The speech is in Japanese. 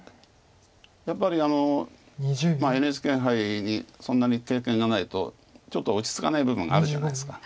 やっぱりＮＨＫ杯にそんなに経験がないとちょっと落ち着かない部分があるじゃないですか。